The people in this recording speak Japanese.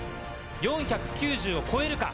４９０を超えるか？